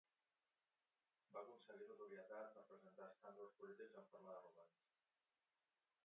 Va aconseguir notorietat per presentar escàndols polítics en forma de romanç.